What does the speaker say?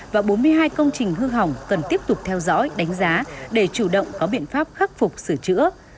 và bốn mươi hai công trình hư hỏng cần tiếp tục theo dõi đánh giá để chủ động có biện pháp khắc phục sửa chữa